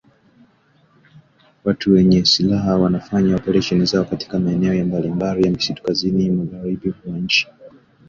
Watu wenye silaha wanafanya operesheni zao katika maeneo ya mbali ya misitu kaskazini magharibi mwa nchi